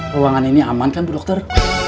ruangan ini aman kan bu dokter